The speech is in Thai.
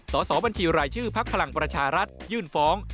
สอบบัญชีรายชื่อพักพลังประชารัฐยื่นฟ้อง